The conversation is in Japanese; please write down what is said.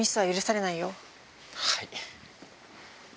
はい。